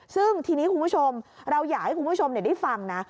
ซึ่งทีนี้คุณผู้ชมเราอยากให้คุณผู้ชมได้ฟังนะ